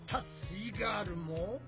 イガールも。